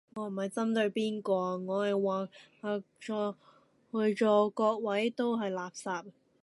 我唔係針對邊個，我係話在座各位都係垃圾